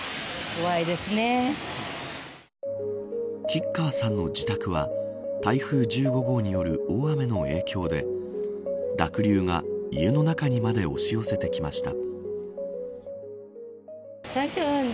吉川さんの自宅は台風１５号による大雨の影響で濁流が家の中にまで押し寄せてきました。